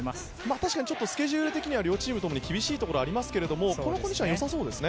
確かにちょっとスケジュール的には両チーム厳しいところありますがこのコンディションは良さそうですね。